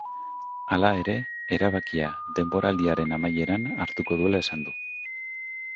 Hala ere, erabakia denboraldiaren amaieran hartuko duela esan du.